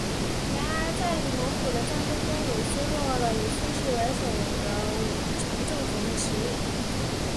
然而在与蒙古的战争中也削弱了以崔氏为首的武臣政权的实力。